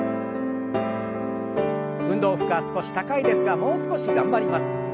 運動負荷少し高いですがもう少し頑張ります。